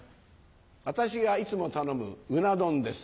私がいつも頼むうな丼です。